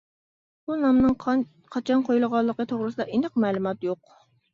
بۇ نامنىڭ قاچان قويۇلغانلىقى توغرىسىدا ئېنىق مەلۇمات يوق.